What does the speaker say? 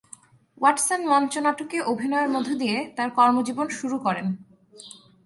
Watson মঞ্চনাটকে অভিনয়ের মধ্য দিয়ে তার কর্মজীবন শুরু করেন।